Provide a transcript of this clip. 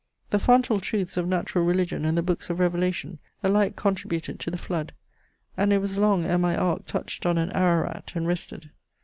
The fontal truths of natural religion and the books of Revelation alike contributed to the flood; and it was long ere my ark touched on an Ararat, and rested.